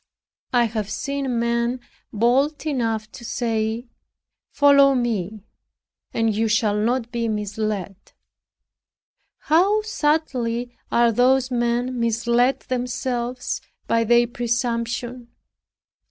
I have seen men bold enough to say, "Follow me, and you shall not be misled." How sadly are those men misled themselves by their presumption!